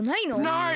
ない。